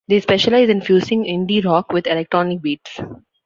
They specialize in fusing indie rock with electronic beats.